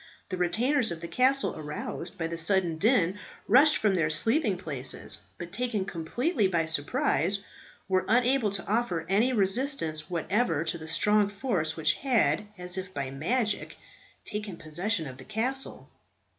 The retainers of the castle, aroused by the sudden din, rushed from their sleeping places, but taken completely by surprise, were unable to offer any resistance whatever to the strong force which had, as if by magic, taken possession of the castle.